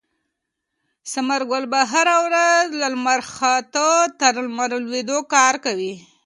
ثمرګل به هره ورځ له لمر خاته تر لمر لوېدو کار کوي.